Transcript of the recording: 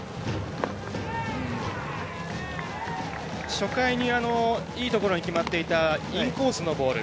初回にいいところに決まっていたインコースのボール